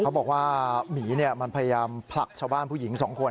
เขาบอกว่าหมีมันพยายามผลักชาวบ้านผู้หญิงสองคน